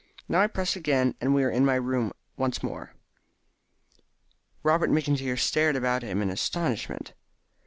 Now I press again and here we are in my room once more." Robert McIntyre stared about him in astonishment.